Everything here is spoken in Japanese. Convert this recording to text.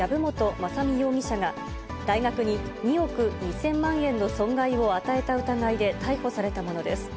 雅巳容疑者が、大学に２億２０００万円の損害を与えた疑いで逮捕されたものです。